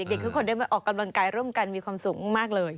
เด็กทุกคนได้มาออกกำลังกายร่วมกันมีความสุขมากเลย